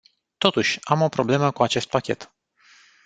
Totuși, am o problemă cu acest pachet.